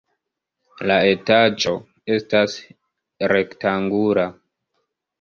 La etaĝo estas rektangula.